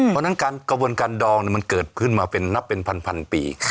เพราะฉะนั้นการกระบวนการดองมันเกิดขึ้นมาเป็นนับเป็นพันปี